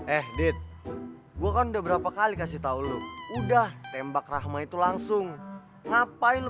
eh did gua kan udah berapa kali kasih tahu lu udah tembak rahma itu langsung ngapain lu